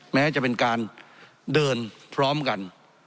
แม้จะเป็นการเดินพร้อมกัน